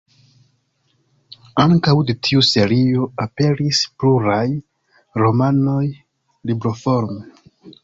Ankaŭ de tiu serio aperis pluraj romanoj libroforme.